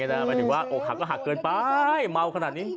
หมายถึงว่าอกหักก็หักเกินไปเมาขนาดนี้